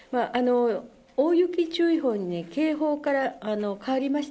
大雪注意報に、警報から変わりました。